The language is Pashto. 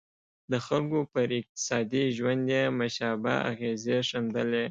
د خلکو پر اقتصادي ژوند یې مشابه اغېزې ښندلې.